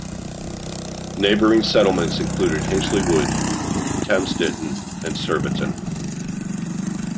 Neighbouring settlements include Hinchley Wood, Thames Ditton and Surbiton.